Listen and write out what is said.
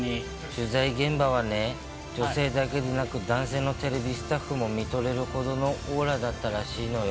取材現場は女性だけでなく男性のテレビスタッフも見とれるほどのオーラだったらしいのよ。